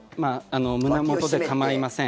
胸元で構いません。